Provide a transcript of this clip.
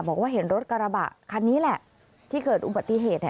บอกว่าเห็นรถกระบะคันนี้แหละที่เกิดอุบัติเหตุ